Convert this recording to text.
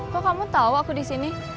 kok kamu tau aku di sini